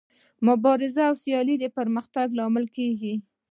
مبارزه او سیالي د پرمختګ لامل کیږي.